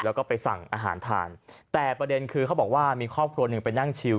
แล้วก็ไปสั่งอาหารทานแต่ประเด็นคือเขาบอกว่ามีครอบครัวหนึ่งไปนั่งชิว